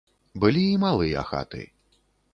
Былі і малыя хаты.